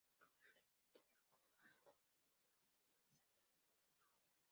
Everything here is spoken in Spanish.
Probablemente hijo de Marco Valerio Mesala Rufo.